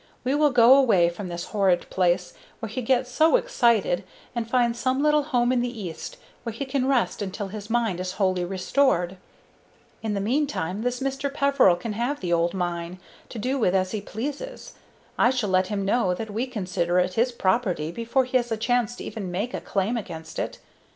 We will go away from this horrid place, where he gets so excited, and find some little home in the East, where he can rest until his mind is wholly restored. "In the meantime this Mr. Peveril can have the old mine, to do with as he pleases. I shall let him know that we consider it his property before he has a chance to even make a claim against it.